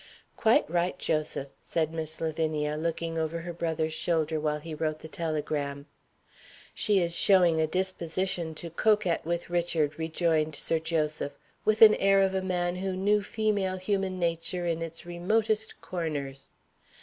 "Quite right. Joseph," said Miss Lavinia, looking over her brother's shoulder, while he wrote the telegram. "She is showing a disposition to coquet with Richard," rejoined Sir Joseph, with the air of a man who knew female human nature in its remotest corners.